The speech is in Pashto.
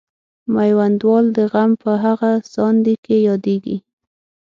میوندوال د غم په هغه ساندې کې یادیږي.